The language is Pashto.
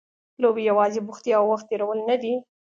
لوبې یوازې بوختیا او وخت تېرول نه دي.